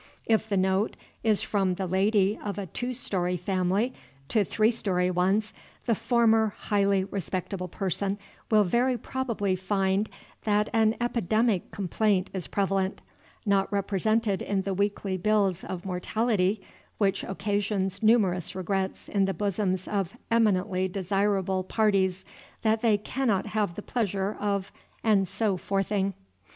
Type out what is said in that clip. If the note is from the lady of a two story family to three story ones, the former highly respectable person will very probably find that an endemic complaint is prevalent, not represented in the weekly bills of mortality, which occasions numerous regrets in the bosoms of eminently desirable parties that they cannot have the pleasure of and so forthing.